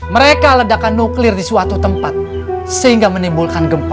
mereka ledakan nuklir di suatu tempat sehingga menimbulkan gempa